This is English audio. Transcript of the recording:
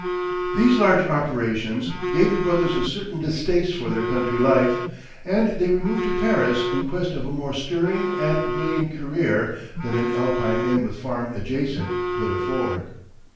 These large operations gave the brothers a certain distaste for their country life, and they removed to Paris in quest of a more stirring and brilliant career than an Alpine inn with farm adjacent could afford.